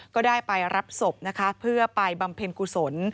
ก็ได้ไปรับศพนะคะเพื่อไปบำเพ็ญกุศล